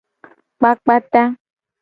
Kpakpa ta.